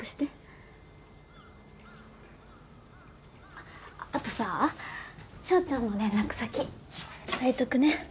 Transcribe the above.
あっあとさ翔ちゃんの連絡先伝えとくね。